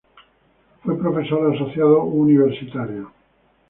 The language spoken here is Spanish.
Fue profesor asociado universitario.